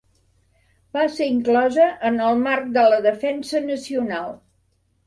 Va ser inclosa en el marc de la Defensa Nacional.